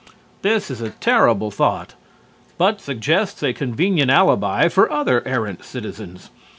This is a terrible thought, but suggests a convenient alibi for other errant citizens.